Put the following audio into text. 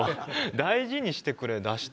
大事にしてくれだした。